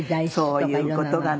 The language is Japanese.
そういう事がね